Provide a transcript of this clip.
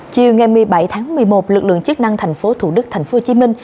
chiều ngày một mươi bảy tháng một mươi một lực lượng chức năng thành phố thủ đức thành phố hồ chí minh